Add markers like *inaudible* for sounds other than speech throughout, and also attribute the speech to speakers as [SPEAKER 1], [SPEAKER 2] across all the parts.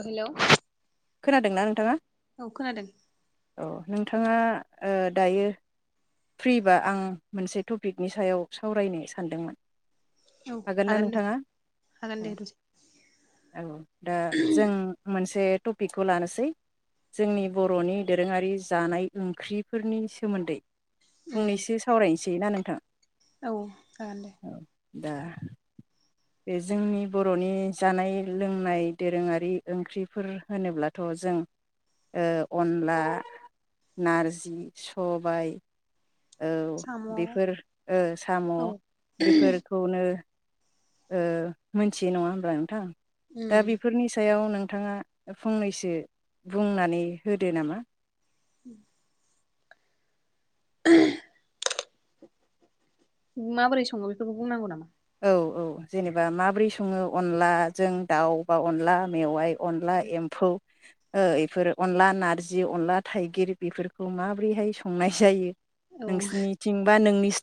[SPEAKER 1] औ हेलौ।
[SPEAKER 2] खोनादों ना नोंथाङा?
[SPEAKER 1] औ खोनादों।
[SPEAKER 2] औ नोंथाङा ओ दायो। फ्रिबा आं मोनसे टपिकनि सायाव सावरायनो सानदोंमोन।
[SPEAKER 1] औ
[SPEAKER 2] हागोन ना
[SPEAKER 1] दे
[SPEAKER 2] नोंथाङा
[SPEAKER 1] हागोन दे
[SPEAKER 2] औ
[SPEAKER 1] दसे
[SPEAKER 2] औ दा जों मोनसे। टपिकखौ लानोसै जोंनि बर'नि दोरोङारि जानाय ओंख्रिफोरनि सोमोन्दै। फंनैसो सावरायनोसै फ्रि ना नोंथां?
[SPEAKER 1] औ जागोन दे।
[SPEAKER 2] औ दा बे जोंनि बर'नि जानाय लोंनाय दोरोङारि ओंख्रिफोर होनोब्लाथ' जों ओ अनला नारजि सबाइ। औ
[SPEAKER 1] साम' औ
[SPEAKER 2] बेफोर ओ साम' बेफोरखौनो। ओ‌ मोनथियै नङा होनबा नोंथां? दा
[SPEAKER 1] उम
[SPEAKER 2] बेफोरनि सायाव नों नोंथाङा फंनैसो बुंनानै होदो नामा?
[SPEAKER 1] ओम। *unintelligible* माबोरै सङो बेखौबो बुंनांगौ नामा?
[SPEAKER 2] औ औ जेनेबा माबोरै सङो अनलाजों दाउ बा अनला मेवाइ। अनला एम्फौ। ओ एफोर अनला नारजि अनला थाइगिर बेफोरखौ माबोरैहाय संनाय जायो।
[SPEAKER 1] औ
[SPEAKER 2] नोंसिनिथिं बा नोंनि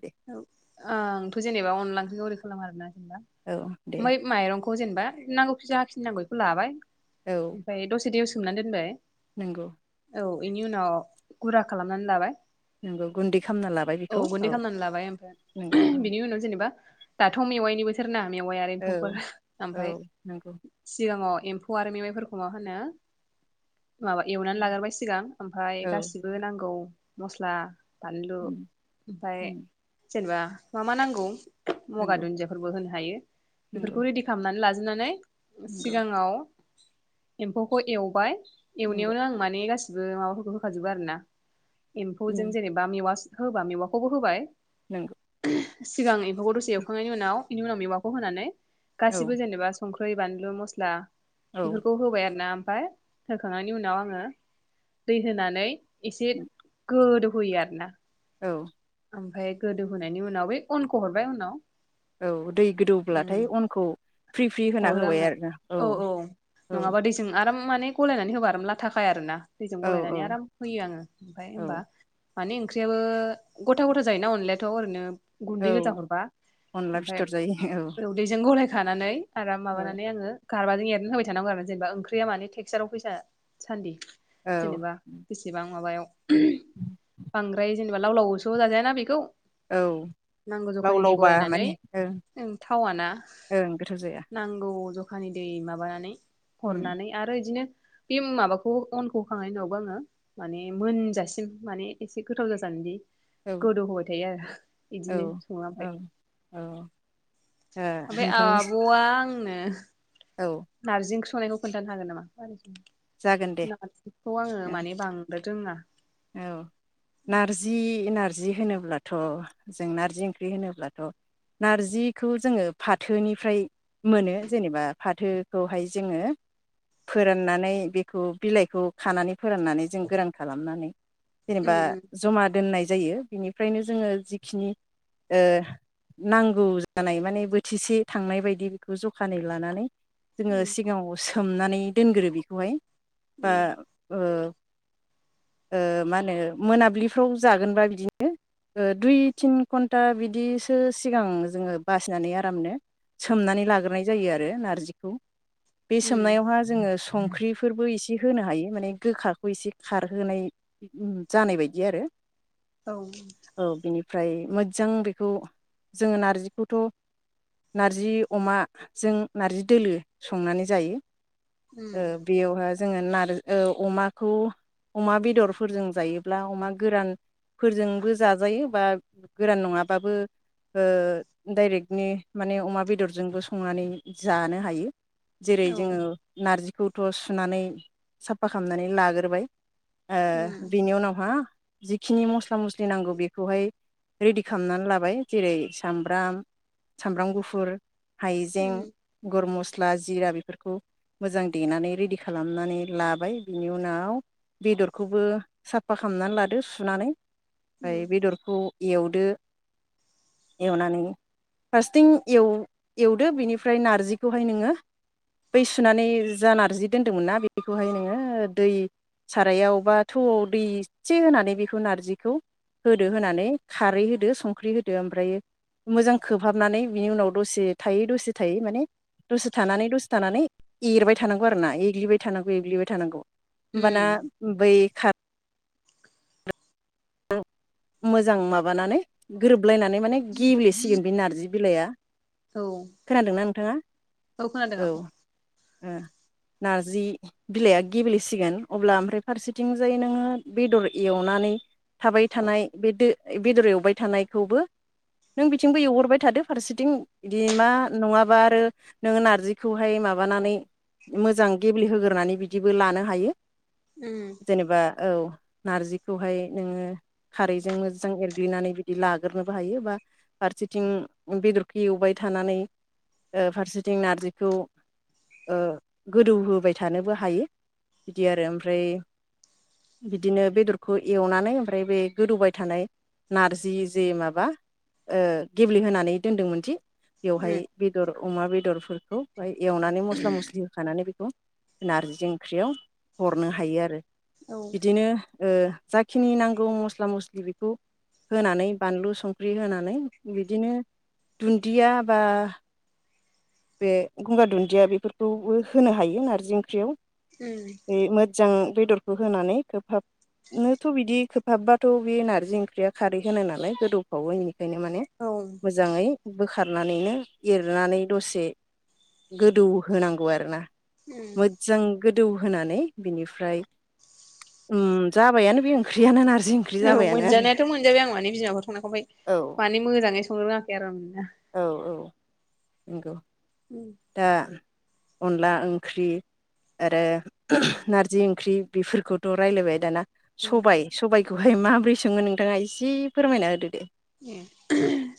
[SPEAKER 2] *inaudible*
[SPEAKER 1] ओ जेनेबा अनला ओख्रिखौ ओरै खालामो आर आरोना
[SPEAKER 2] औ दे
[SPEAKER 1] बै माइरंखौ बेखौ जेनेबा नांगौ खि जा खिनि नांगौ बेखौ लाबाय।
[SPEAKER 2] औ
[SPEAKER 1] बाय दसे दैयाव सो सोमनानै दोनबाय।
[SPEAKER 2] नंगौ।
[SPEAKER 1] औ बेनि उनाव गुरा खालामनानै लाबाय।
[SPEAKER 2] नोंगौ गुन्दै खालामना लाबाय बेखौ
[SPEAKER 1] गुन्दै
[SPEAKER 2] औ।
[SPEAKER 1] खालामनानै लाबाय
[SPEAKER 2] नंगौ औ
[SPEAKER 1] बिनि उनाव जेनेबा दाथ' मेवाइनि बोथोर ना। मेवाइ आरो
[SPEAKER 2] औ
[SPEAKER 1] एम्फौफोर
[SPEAKER 2] औ
[SPEAKER 1] ओमफ्राय
[SPEAKER 2] नंगौ
[SPEAKER 1] सिगाङाव एम्फौ आरो मेवाइफोरखौ मा होनो। माबा एवनानै लाग्रोबाय सिगां ओमफ्राय
[SPEAKER 2] औ
[SPEAKER 1] गासिबो नांगौ मस्ला फानलु
[SPEAKER 2] उम
[SPEAKER 1] ओमफ्राय
[SPEAKER 2] उम
[SPEAKER 1] जेनेबा मा मा नांगौ? मगा
[SPEAKER 2] नंगौ
[SPEAKER 1] दुन्दियाफोरबो होनो हायो
[SPEAKER 2] नंगौ
[SPEAKER 1] बेफोरखौ रेडि खालामनानै ला *unintelligible*
[SPEAKER 2] नंगौ
[SPEAKER 1] सिगाङाव एम्फौखौ एवबाय
[SPEAKER 2] नंगौ
[SPEAKER 1] एवनायावनो आं माने गासि जो माबाफोरखौ होखाजोबो आरो ना एम्फौजों
[SPEAKER 2] उम
[SPEAKER 1] जेनेबा मेवा होबा मेवाखौ होबाय।
[SPEAKER 2] नंगौ।
[SPEAKER 1] सिगां एम्फौखौ दसे एवखांनायनि उनाव बेनि उनाव मेवाखौ होनानै
[SPEAKER 2] औ
[SPEAKER 1] गासिबो जेनेबा संख्रि बै बानलु मस्ला
[SPEAKER 2] औ
[SPEAKER 1] बेफोरखौ होबाय आरो ना। ओमफ्राय होखांनायनि उनाव आङो दै होनानै एसे गोदौ होयो आरोना।
[SPEAKER 2] औ।
[SPEAKER 1] ओमफाय गोदौ होनायनि उनाव बै अनखौ हरबाय उनाव।
[SPEAKER 2] औ दै
[SPEAKER 1] उम
[SPEAKER 2] गोदौब्लाथाय अनखौ फ्रि फ्रि होना
[SPEAKER 1] हरो
[SPEAKER 2] होबाय
[SPEAKER 1] आङो
[SPEAKER 2] आरोना औ औ।
[SPEAKER 1] नङाबा दैजों आराम माने गलायनानै होबा आराम लाथा खाया आरो ना। दैजों
[SPEAKER 2] औ
[SPEAKER 1] गलायनानै
[SPEAKER 2] औ
[SPEAKER 1] आराम हयो आङो ओमफाय
[SPEAKER 2] औ
[SPEAKER 1] होनबा माने ओंख्रियाबो गथा गथा जायोना अनलायथ' ओरैनो गुन्दै
[SPEAKER 2] औ
[SPEAKER 1] गोजा हरबा
[SPEAKER 2] अनला
[SPEAKER 1] ओमफाय
[SPEAKER 2] फिथर जायो
[SPEAKER 1] ओमफाय दैजों गलाय थानानै आराम
[SPEAKER 2] औ
[SPEAKER 1] माबानानै आंङो गारबाजों एरना होबाय थानांगौ आरो जेनेबा ओंख्रिया माने टेक्साराव फैसा सान्दि
[SPEAKER 2] औ
[SPEAKER 1] जेनोबा बेसेबां माबायाव *unintelligible* बांद्राय जेनोबा लाव लावसो जाजायाना बेखौ।
[SPEAKER 2] औ
[SPEAKER 1] नांगौ
[SPEAKER 2] लाव
[SPEAKER 1] जखानि दै
[SPEAKER 2] लावबा
[SPEAKER 1] गलायनानै
[SPEAKER 2] माने ओं ओं गोथाव जाया।
[SPEAKER 1] नांगौ जखानि दै माबानानै
[SPEAKER 2] उम
[SPEAKER 1] हरनानै आरो इदिनो बे माबाखौ अनखौ होखांनायनि उनावबो आङो माने मोनजासिम माने एसे गोथाव जाजानदि
[SPEAKER 2] औ
[SPEAKER 1] गोदौ होबाय थायो आरो
[SPEAKER 2] औ
[SPEAKER 1] इदिनो सङा
[SPEAKER 2] औ
[SPEAKER 1] ओमफाय।
[SPEAKER 2] ओ
[SPEAKER 1] ओमफाय
[SPEAKER 2] नोंथांनि
[SPEAKER 1] ओ बा आंनो
[SPEAKER 2] औ
[SPEAKER 1] नारजि ओंख्रि संनायखौ खोन्थानो हागोन नामा?
[SPEAKER 2] जागोन दे
[SPEAKER 1] नारजिखौ आङो
[SPEAKER 2] ओं
[SPEAKER 1] माने बांद्राय रोंङा।
[SPEAKER 2] औ नारजि नार जि होनोब्लाथ' जों नार्जि ओंख्रि होनोब्लाथ' नारजिखौ जोङो फाथोनिफ्राय मोनो जेनोबा फाथोखौहाय जोङो फोराननानै बेखौ बिलाइखौ खानानै फोराननानै जों गोरान खालामनानै
[SPEAKER 1] उम
[SPEAKER 2] जेनोबा जमा दोननाय जायो बिनिफ्रायनो जोङो जिखिनि ओ नांगौ जानाय माने बोथिसे थांनाय बायदि बिखौ जखानै लानानै जोङो
[SPEAKER 1] उम
[SPEAKER 2] सिगाङाव सो सोमनानै दोनग्रो बेखौहाय बा
[SPEAKER 1] उम
[SPEAKER 2] ओ ओ मा होनो मोनाब्लिफ्राव जागोनबा बिदिनो ओ दुइ तिन घन्टा बिदिसो सिगां जोङो बासिनानै आरामनो सोमनानै लाग्रोनाय जायो आरो नारजिखौ बे
[SPEAKER 1] उम
[SPEAKER 2] सोमनायावहा जोङो संख्रिफोरबो एसे होनो हायो माने गोखाखौ एसे खारहोनाय जानाय बायदि आरो।
[SPEAKER 1] औ।
[SPEAKER 2] फ्राय मोजां बेखौ जोङो नार्जिखौथ' नारजि अमा जों नार्जि दोलो संनानै जायो।
[SPEAKER 1] उम
[SPEAKER 2] ओ बेयावहा जोंङो नार ओ अमाखौ अमा बेदर फोरजों जायोब्ला अमा गोरान फोरजोंबो जाजायो बा गोरान नङाबाबो ओ डाइरेक्टनि माने अमा बेदरजोंबो संनानै जानो हायो। जेरै
[SPEAKER 1] औ
[SPEAKER 2] जोङो नारजिखौ थ' सुनानै साफा खालामनानै लाग्रोबाय। ओ
[SPEAKER 1] उम
[SPEAKER 2] बिनि उनावहा जिखिनि मस्ला मस्लि नांगौ बेखौहाय रेडि खालामनानै लाबाय। जेरै सामब्राम सामब्राम गुफुर हाइजें,
[SPEAKER 1] उम
[SPEAKER 2] गुरमुस। बा जिरा बेफोरखौ मोजां देनानै रेडि खालामनानै लाबाय, बिनि उनाव बेदरखौबो साफा खालामनानै लादो सुनानै।
[SPEAKER 1] उम
[SPEAKER 2] ओमफ्राय बेदरखौ। एवदो, एवनानै फारसेथिं एव-एवदो बेनिफ्राय नार्जिखौहाय नोङो। बै सुनानै जा नार्जि दोन्दोंमोन ना बेखौहाय नोङो दै सारायावबा थौआव दै एसे होनानै बेखौ नारजिखौ होदो होनानै खारै होदो, संख्रि होदो ओमफ्रायायो मोजां खोबहाबनानै बिनि उनाव दसे थायै दसे थायै माने दसे थानानै दसे थानानै एरबाय थानांगौ आरोना एग्लिबाय थानांगौ एग्लिबाय थानांगौ। होमबाना
[SPEAKER 1] उम
[SPEAKER 2] बेै मोजां माबानानै ग्रोब गबलायनानै माने गेब्लेसिगोन बे नारजि बिलाइआ।
[SPEAKER 1] औ
[SPEAKER 2] खोनादोंना नोंथाङा
[SPEAKER 1] खोनादों
[SPEAKER 2] औ।
[SPEAKER 1] आब'
[SPEAKER 2] ओ नारजि बिलाइआ गेब्लेसिगोन, अब्ला ओमफ्राय फारसेथिंजाय नोङो बेदर एवनानै। थाबाय थानाय बेो बेदर एवबाय थानायखौबो, नों बिथिंबो एवहरबाय थादो फारसेथिं बिदि मा नङाबा आरो, नोङो नारजिखौहाय माबानानै मोजां गेब्लेहोग्रोनानै बिदिबो लानो हायो।
[SPEAKER 1] औ
[SPEAKER 2] जेनेबा औ। नारजिखौहाय। नोङो खारैजों मोजां एरग्लिनानै बिदि लाग्रोनोबो हायो। बा फारसेथिं बेदरखौ एवबाय थानानै ओ फारसेथिं नारजिखौ ओ गोदौहोबाय थानोबो हायो, बिदि आरो ओमफ्राय बिदिनो बेदरखौ एवनानै ओमफ्राय बे गोदौबाय थानाय नारजि जे माबा ओ गेब्लेहोनानै दोन्दोंमोन दि बेवहाय बेदर अमा बेदर। फोरखौ। ओमफ्राय एवनानै मस्ला मस्लि होखानानै बेखौ। नारजि ओंख्रियाव हरनो हायो आरो।
[SPEAKER 1] औ
[SPEAKER 2] बिदिनो। ओ। जाखिनि नांगौ मस्ला मस्लि बेखौ होनानै, बानलु संख्रि होनानै बिदिनो दुन्दिया बा बे गंगार दुन्दिया बेफोरखौबो होनो हायो नारजि ओंख्रियाव। बे मोजां। बेदरखौ होनानै खोबहाबनोथ बिदि खोबहाबबाथ बे नारजि ओंख्रिया खारै होनाय नालाय गोदौफावोनि। बेखायनो माने
[SPEAKER 1] उम औ
[SPEAKER 2] मोजाङै बोखा खारनानैनो एरनानै। दसे गोदौ होनांगौ आरोना। मोजां गोथ दौ होनानै बिनिफ्राय उम जाबायानो बे ओंख्रियानो नार
[SPEAKER 1] औ मोनजानायाथ मोनजाबाय आं माने, बिमाखौ संनायखौ ओमफाय
[SPEAKER 2] औ
[SPEAKER 1] मानि मोजाङै संनो रोंङाखैआर आं।
[SPEAKER 2] औ औ। नंगौ। दा अनला ओंख्रि आरो नारजि ओंख्रि बेफोरखौथ' रायलायबाय दाना सबाय सबाय खौहाय माब्रै संङो नोंथाङा एसे फोरमायना होदो दे।
[SPEAKER 1] ए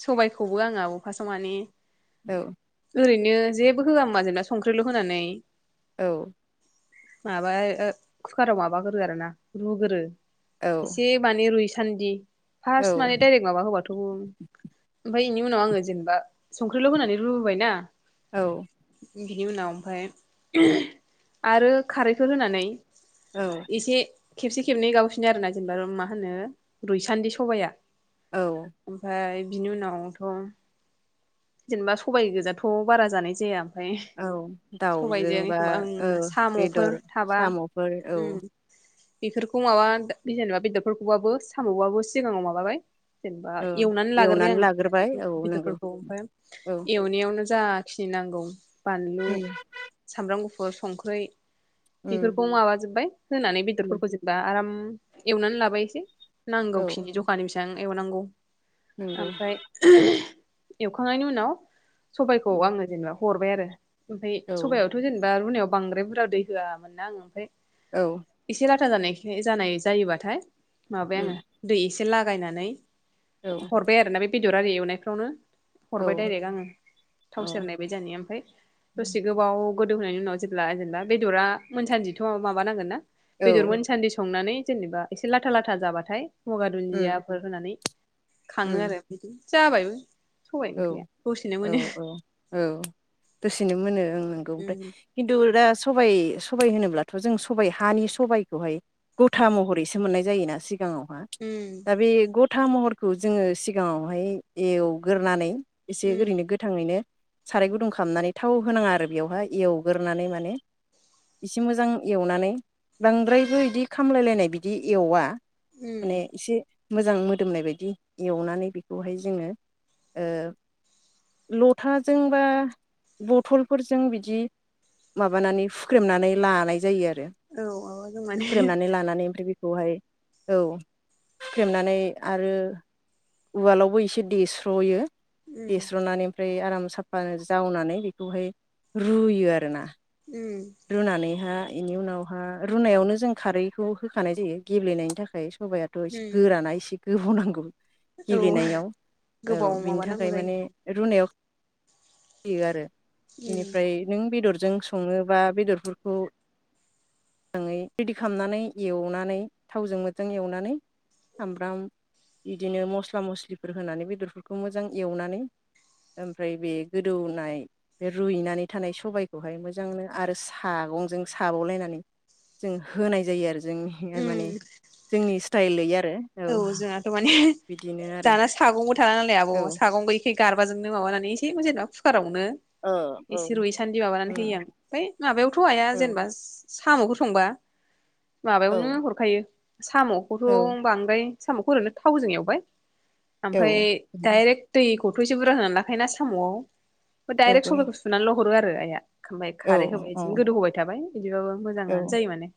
[SPEAKER 1] सबायखौबो आं आब फासाव माने
[SPEAKER 2] औ।
[SPEAKER 1] ओरैनो जेबो होआ मा जेनेबा संख्रिल होनानै
[SPEAKER 2] औ।
[SPEAKER 1] माबाय कुकाराव माबागोरो आरोना रुगोरो
[SPEAKER 2] औ
[SPEAKER 1] एसे बानि रुइस सान्दि
[SPEAKER 2] औ
[SPEAKER 1] फार्सट माने दायरेखत थ' ओमफाय इनि उनाव आङो जेनेबा संख्रिल' होनानै रुबोबायना
[SPEAKER 2] औ।
[SPEAKER 1] बिनि उनाव ओमफखय आरो खारैखो होनानै
[SPEAKER 2] औ
[SPEAKER 1] इसे खेबसे खेबनै गावसनि आरोना जेनेबा मा होनो रुइसान्दि सबाया
[SPEAKER 2] औ
[SPEAKER 1] ओमफाय बिनि उनावथ' जेनेबा सबायाइ गोजाथ' बारा जानाय जाया। ओमफ्राय
[SPEAKER 2] औ
[SPEAKER 1] सबाइजों
[SPEAKER 2] दाउजोंबा
[SPEAKER 1] एखमबा
[SPEAKER 2] औ
[SPEAKER 1] ओं साम'फोर
[SPEAKER 2] बेदर
[SPEAKER 1] थाबा
[SPEAKER 2] साम'फोर औ
[SPEAKER 1] उम बेफोरखौ माबा जेनेबा बेदरफोरखौबाबो सामबाबो सिगाङाव माबाबाय जेनेबा
[SPEAKER 2] औ
[SPEAKER 1] एवनानै लाग्रबाय आं मोजांयै
[SPEAKER 2] लाग्रोबाय औ नंगौ
[SPEAKER 1] बेदरफोरखौ ओमफाय
[SPEAKER 2] औ
[SPEAKER 1] एवनायावनो जाखिनि नांगौ बानलु
[SPEAKER 2] उम
[SPEAKER 1] सामब्राम गुफ बेयाव संख्रै
[SPEAKER 2] उम
[SPEAKER 1] बेफोरखौ माबाजोबबाय होनानै
[SPEAKER 2] उम
[SPEAKER 1] बेदरफोरखौ जेनबा आराम एवनानै लाबायसै
[SPEAKER 2] औ
[SPEAKER 1] नांगौखिनि ज'खानि बेसेबां एवनांगौ
[SPEAKER 2] नंगौ
[SPEAKER 1] ओमफ्राय एवखांनायनि उनाव सबाइखौ
[SPEAKER 2] उम
[SPEAKER 1] आंङो जेनेबा हरबाय आरो ओमफाय
[SPEAKER 2] औ
[SPEAKER 1] सबायावथ' जेनेबा रुनायाव बांद्राय बुरजा दै होआमोनना आं ओमफाय
[SPEAKER 2] औ
[SPEAKER 1] था जानायखाय जानाय जायोबाथाय माबाय आंङो
[SPEAKER 2] उम
[SPEAKER 1] दै एसे एसे लागायनानै
[SPEAKER 2] औ
[SPEAKER 1] हरबारना आरो ना बे बेदर आरि एवनायफ्रावनो
[SPEAKER 2] औ
[SPEAKER 1] हरबाय दायरेक आंङो थाव
[SPEAKER 2] औ
[SPEAKER 1] सेरनायबाय जानाय *inaudible* ओमफाय दसे
[SPEAKER 2] उम
[SPEAKER 1] गोबाव गोदौ होनायनि उनाव जेब्ला जेनेबा बेदरा मोनसानदिथ' माबा नांगोन ना बेदर मोनसान्दि संनानै जेनेबा एसे लाथा-लाथा जाबाथाय ब'गा दुन्दियाफोर *inaudible* खांङो आरो जाबायबो सबाइ ओंख्रिया दसेनो मोनो
[SPEAKER 2] औ-औ-औ-औ दसेनो मोनो ओं नंगौ ओमफ्राय
[SPEAKER 1] उम
[SPEAKER 2] किनतु *unintelligible* सबाइ सबाइ होनोब्लाथ' जों सबाइ हानि सबाइखौहाय गथा महरैसो मोननाय जायोना सिगाङाव मा
[SPEAKER 1] उम
[SPEAKER 2] दा बे ग' था महरखौ जोंङो सिगाङावहाय एव ग्रोनानै एसे
[SPEAKER 1] उम
[SPEAKER 2] ओरैनो गोथाङैनो साराय गुदुं खालामनानै थाव होनाङा आरो बेवहाय एवग्रोनानै माने एसे मोजां एवनानै बांद्रायबो इदि खामलायलायनाय बिदि एवा माने
[SPEAKER 1] उम
[SPEAKER 2] एसे मोजां मोदोमनाय बायदि एवनानै बेखौहाय जोङो ओ लथाजों बा बथलफोरजों बिदि माबानानै हुख्रेमनानै लानाय जायो आरो
[SPEAKER 1] औ माबाजों माने
[SPEAKER 2] फुख्रेमनानै लानानै ओमफ्राय खौहाय औ हुख्रेमनानै आरो उवालावबो एसे देस्र'यो
[SPEAKER 1] उम
[SPEAKER 2] देस्रनानै ओमफ्राय आराम साफा जावनानै बेखौहाय रुयो आरोना
[SPEAKER 1] उम
[SPEAKER 2] रुनानैहा बेनि उनावहा रुनायावनो जों खारैखौ होखानाय जायो गेब्लेनायनि थाखाय सबायायाथ' एसे
[SPEAKER 1] उम
[SPEAKER 2] गोराना इसे गोबाव नांगौ
[SPEAKER 1] औ
[SPEAKER 2] गेब्लेनायाव औ
[SPEAKER 1] गोबाव
[SPEAKER 2] बिनि
[SPEAKER 1] माबानांगौ
[SPEAKER 2] थाखाय
[SPEAKER 1] जायो
[SPEAKER 2] माने रुनायाव बे आरो
[SPEAKER 1] उम
[SPEAKER 2] बेनिफ्राय नों बेदर जों सङोबा बेदरफोरखौ जाङै रेडि खालामनानै एवनानै थावजों मोजां एवनानै सामब्राम बिदिनो मस्ला मस्लिफोर होनानै बेदरफोरखौ मोजां एवनानै ओमफ्राय बे गोदौनाय बे रुइनानै थानाय सबायाइखौहाय मोजांनो आरो सागंजों साबावलायनानै जों होनाय जायो आरो जोंनि माने
[SPEAKER 1] उम
[SPEAKER 2] जोंनि स्टाइलै आरो
[SPEAKER 1] औ जोंहाथ' माने
[SPEAKER 2] बिदिनो आरो
[SPEAKER 1] दाना सागंबो थाला नालाय आब'
[SPEAKER 2] औ
[SPEAKER 1] सागं गै गारबाजोंनो माबानानै एसेखौ जेनबा कुकाराव नो
[SPEAKER 2] ओ औ
[SPEAKER 1] एसे रुयसानदि माबानानै
[SPEAKER 2] औ
[SPEAKER 1] होयोआं फाय माबायावथ' आया
[SPEAKER 2] औ
[SPEAKER 1] जेनबा साम'खौ संबा
[SPEAKER 2] औ
[SPEAKER 1] माबायावनो हरखायो साम'खौथ'
[SPEAKER 2] औ
[SPEAKER 1] ओमफ्राय साम'खौ ओरनो थावजों एवबाय
[SPEAKER 2] औ
[SPEAKER 1] ओमफ्राय डायरेक्ट दै खौथ' एसे बुरजा होना लाखायोना साम'आव
[SPEAKER 2] औ
[SPEAKER 1] डाइरेक्ट सबायखौ सुनाल' हरो आरो आइया ओमफ्राय खारै होबाय
[SPEAKER 2] औ
[SPEAKER 1] इदिनो गोदौ होबाय थाबाय। बिदिबाबो
[SPEAKER 2] औ
[SPEAKER 1] मोजाङानो जायो माने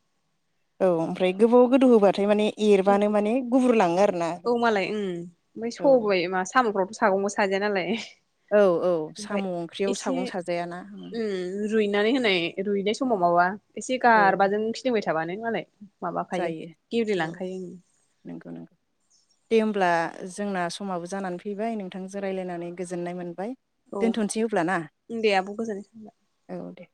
[SPEAKER 2] औ ओमफ्राय गोबाव गोदौ होबा ओमफ्राय माने एरबानो माने गुब्रु लाङो आरो
[SPEAKER 1] औ मालाय उम ओमफ्राय सबाय मा साम'फ्रावथ' सागं बो साजाया नालाय।
[SPEAKER 2] औ औ
[SPEAKER 1] ओमफ्राय
[SPEAKER 2] साम' ओंख्रियाव
[SPEAKER 1] एसे
[SPEAKER 2] सागं साजायाना
[SPEAKER 1] उम रुइनानै होनाय रुइनाय समाव माबा एसे
[SPEAKER 2] औ
[SPEAKER 1] गारबाजों फिदिंबाय थाबानो मालाय माबाखायो
[SPEAKER 2] जायो औ
[SPEAKER 1] गेब्लेलांखायो उम
[SPEAKER 2] नंगौ नंगौ दे होमब्ला जोंना समाबो जानानै फैबाय नोंथांजों राय्लायनानै गोजोननाय मोनबाय।
[SPEAKER 1] ओं
[SPEAKER 2] दोनथ'नोसै अब्ला ना
[SPEAKER 1] औ दे आब' गोजोननाय थाबाय
[SPEAKER 2] औ दे।